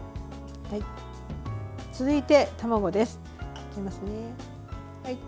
続いて、卵です。